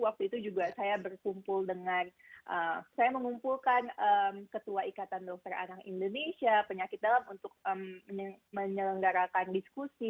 waktu itu juga saya berkumpul dengan saya mengumpulkan ketua ikatan dokter anak indonesia penyakit dalam untuk menyelenggarakan diskusi